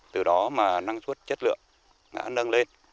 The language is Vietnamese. từ đó mà năng suất chất lượng đã nâng lên